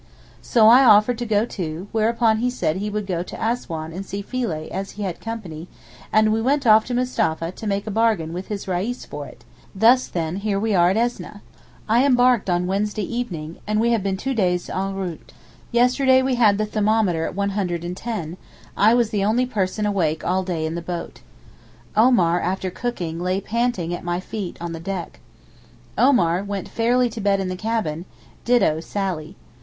So I offered to go too, whereupon he said he would go on to Assouan and see Philæ as he had company, and we went off to Mustapha to make a bargain with his Reis for it; thus then here we are at Esneh. I embarked on Wednesday evening, and we have been two days en route. Yesterday we had the thermometer at 110; I was the only person awake all day in the boat. Omar, after cooking, lay panting at my feet on the deck. Arthur went fairly to bed in the cabin; ditto Sally.